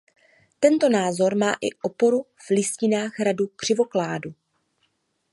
Tento názor má i oporu v listinách hradu Křivoklátu.